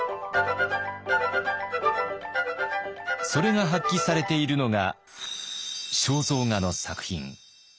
それが発揮されているのが肖像画の作品。